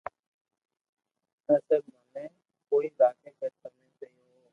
اسل مي مني ڪوئي لاگي ڪي تمي سھو ھون